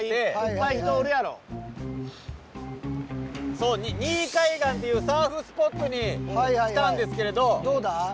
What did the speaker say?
そう新居海岸っていうサーフスポットに来たんですけれど。